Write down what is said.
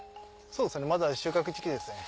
そうですねまだ収穫時期ですね。